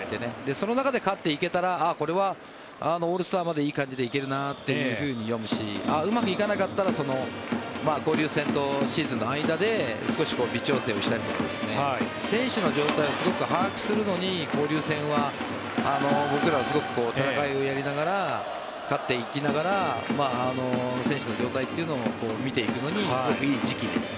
その中で勝っていけたらこれはオールスターまでいい感じで行けるなと読むしうまくいかなかったら交流戦とシーズンの間で少し微調整したりなど選手の状態を把握するのに交流戦は僕らはすごく戦いをやりながら勝っていきながら選手の状態を見ていくのにすごくいい時期です。